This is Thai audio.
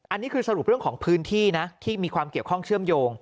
อันนี้คือสรุปเรื่องของพื้นที่นะที่มีความเกี่ยวข้องเชื่อมโยง